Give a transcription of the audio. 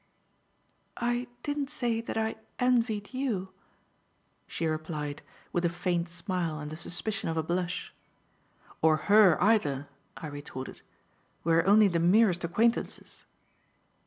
"I didn't say that I envied you," she replied, with a faint smile and the suspicion of a blush. "Or her either," I retorted. "We are only the merest acquaintances."